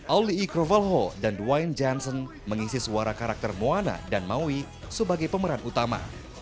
auli i krovalho dan dwayne janssen mengisi suara karakter moana dan maui sebagai pemeran utama